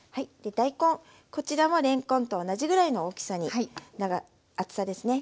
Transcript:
大根こちらもれんこんと同じぐらいの大きさに厚さですね